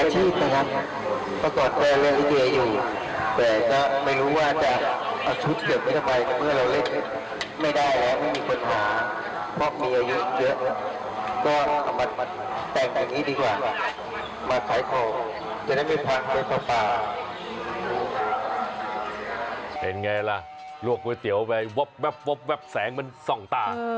เป็นไงล่ะลวกก๋วยเตี๋ยวไปวับแสงมันส่องตา